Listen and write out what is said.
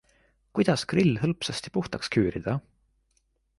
Kuidas grill hõlpsasti puhtaks küürida?